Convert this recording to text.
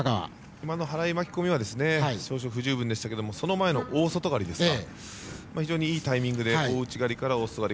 今の払い巻き込みは少々、不十分でしたけれどもその前の大内刈りですか非常にいいタイミングで大内刈りから大内刈り。